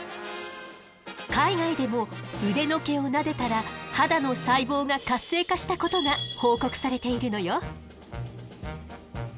海外でも腕の毛をなでたら肌の細胞が活性化したことが報告されているのよ。